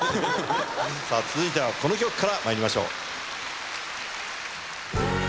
さぁ続いてはこの曲からまいりましょう。